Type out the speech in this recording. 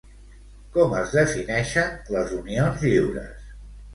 Com es defineixen les unions lliures?